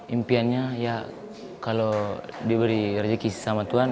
impiannya ya kalau diberi rezeki sama tuhan